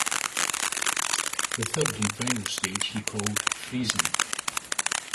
The third and final stage he called "freezing".